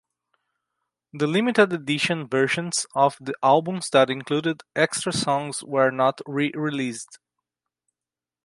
The Limited Edition versions of the albums that included extra songs were not re-released.